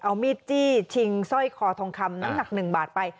เอามีดจี้ชิงสร้อยคอทองคำน้ำหนัก๑บาทไป